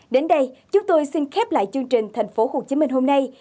đến đây chúng tôi xin khép lại chương trình tp hcm hôm nay